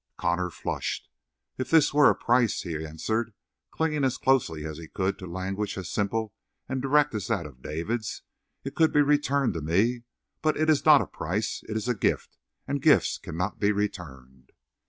Connor flushed. "If this were a price," he answered, clinging as closely as he could to language as simple and direct as that of David, "it could be returned to me. But it is not a price. It is a gift, and gifts cannot be returned."